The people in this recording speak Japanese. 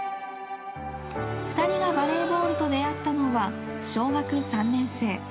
２人がバレーボールと出会ったのは小学３年生。